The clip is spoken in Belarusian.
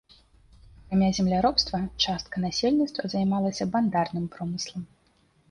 Акрамя земляробства частка насельніцтва займалася бандарным промыслам.